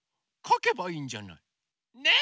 かけばいいんじゃない。ね！